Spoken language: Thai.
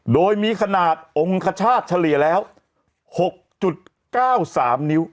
โดยมีขนาดองค์คชาติเฉลี่ยแล้ว๖๙๓นิ้ว